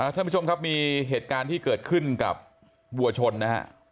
ท่านผู้ชมครับมีเหตุการณ์ที่เกิดขึ้นกับวัวชนนะฮะ